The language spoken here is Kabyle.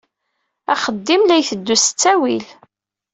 Axeddim la iteddu s ttawil.